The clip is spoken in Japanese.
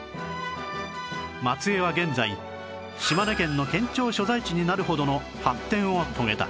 松江は現在島根県の県庁所在地になるほどの発展を遂げた